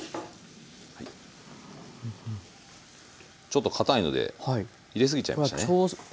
ちょっとかたいので入れ過ぎちゃいましたねハハッ。